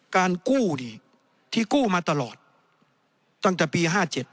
การกู้นี่ที่กู้มาตลอดตั้งแต่ปี๕๗